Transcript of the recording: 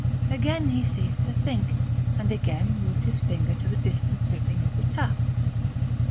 Again he ceased to think, and again moved his finger to the distant dripping of the tap....